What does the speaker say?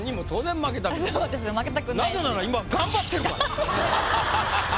なぜなら今頑張ってるから。